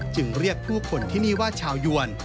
จึงเรียกผู้คนที่นี่ว่าชาวยวน